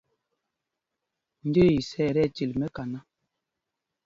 Ndəə isɛɛ ɛ tí ɛtil mɛkaná.